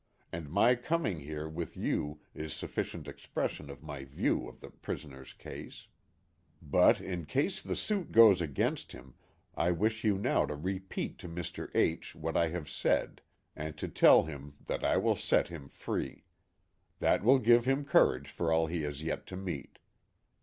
And my coming here with you is sufficient expression of my view of the prison er's case. But in case the suit goes against him I wish you now to repeat to Mr. H what I have said, and to tell him that I will set him free. That will give him courage for all he has yet to meet."